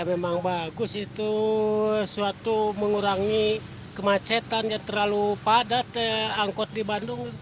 memang bagus itu suatu mengurangi kemacetan yang terlalu padat angkot di bandung